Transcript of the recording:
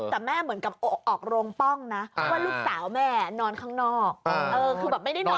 การนอนไม่จำเป็นต้องมีอะไรกัน